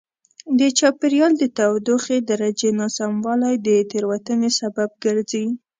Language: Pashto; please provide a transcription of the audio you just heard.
د چاپېریال د تودوخې درجې ناسموالی د تېروتنې سبب ګرځي.